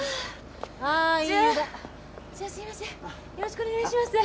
よろしくお願いします。